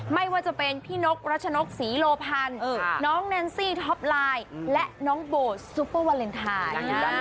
ไม่ว่าจะเป็นพี่นกรัชนกศรีโลพันธ์น้องแนนซี่ท็อปไลน์และน้องโบซุปเปอร์วาเลนไทย